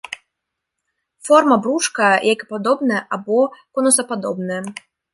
Форма брушка яйкападобная або конусападобная.